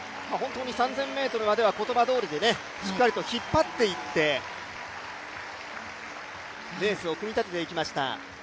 ３０００ｍまでは言葉どおりでしっかりと引っ張っていってレースを組み立てていきました。